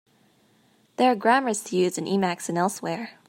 There are grammars to use in Emacs and elsewhere.